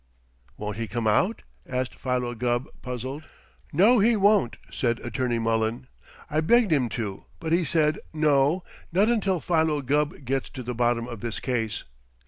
"Won't he come out?" asked Philo Gubb, puzzled. "No, he won't!" said Attorney Mullen. "I begged him to, but he said, 'No! Not until Philo Gubb gets to the bottom of this case.'